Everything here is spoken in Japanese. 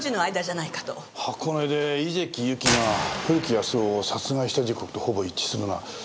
箱根で井関ゆきが古木保男を殺害した時刻とほぼ一致するな。